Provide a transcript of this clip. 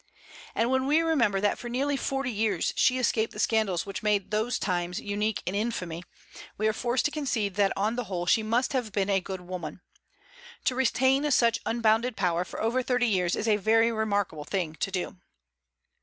And when we remember that for nearly forty years she escaped the scandals which made those times unique in infamy, we are forced to concede that on the whole she must have been a good woman. To retain such unbounded power for over thirty years is a very remarkable thing to do.